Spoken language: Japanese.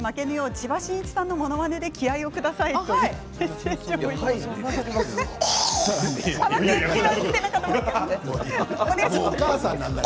千葉真一さんのものまねで気合いをくださいということです。